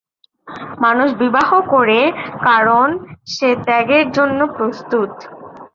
মানুষ বিবাহ করে, কারণ সে ত্যাগের জন্য প্রস্তুত।